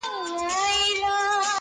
o په هوا کي ماڼۍ نه جوړېږي!